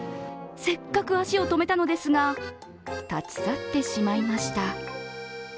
せっかく足を止めたのですが立ち去ってしまいました。